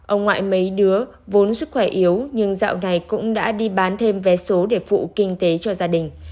ông ngoại mấy đứa vốn sức khỏe yếu nhưng dạo này cũng đã đi bán thêm vé số để phụ kinh tế cho gia đình